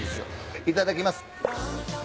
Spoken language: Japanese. いただきます。